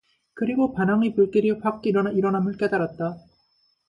그리고 반항의 불길이 확 일어남을 깨달았다.